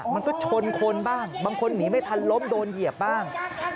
มันก็ชนคนบ้างบางคนหนีไม่ทันล้มโดนเหยียบบ้าง